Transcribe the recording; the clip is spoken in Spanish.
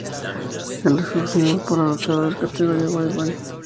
Es exclusivo para luchadores categoría "Heavyweight".